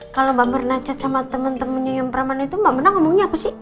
kalau mbak mirna chat sama temen temennya yang preman itu mbak mirna ngomongnya apa sih